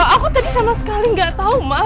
aku tadi sama sekali gak tau maaf